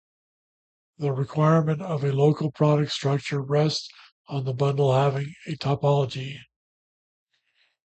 The requirement of a local product structure rests on the bundle having a topology.